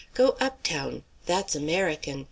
Go up town. That's American.